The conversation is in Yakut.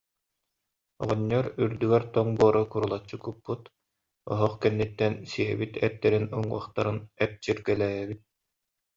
Оҕонньор үрдүгэр тоҥ буору курулаччы куппут, оһох кэнниттэн сиэбит эттэрин уҥуохтарынан эпчиргэлээбит